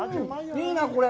いいな、これ。